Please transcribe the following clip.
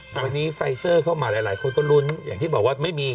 วันนี้ไฟเซอร์เข้ามาหลายคนก็ลุ้นอย่างที่บอกว่าไม่มี